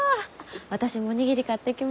私もお握り買ってきました。